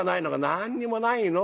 「何にもないの。